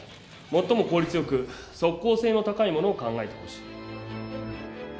最も効率よく即効性の高いものを考えてほしい